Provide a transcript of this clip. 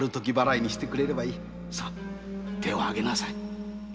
さ手をあげなさい